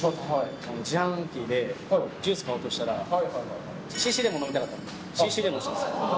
自販機でジュース買おうとしたら、シーシーレモン飲みたかったんで、ＣＣレモン押したんです。